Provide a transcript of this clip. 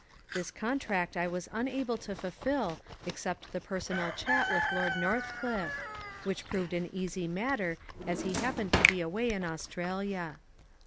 This contract I was unable to fulfil except the personal chat with Lord Northcliffe, which proved an easy matter as he happened to be away in Australia.